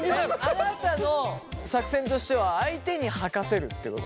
あなたの作戦としては相手に吐かせるってこと？